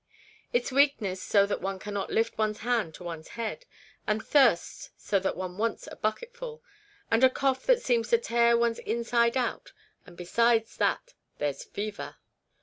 " It's weakness so that one cannot lift one's hand to one's head, and thirst so that one wants a bucketful, and a cough that seems to tear one's inside out, and besides that there's fever."